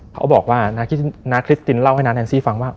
เขาบอกว่านาคริสตินเล่าให้น้าแอนซี่ฟังว่า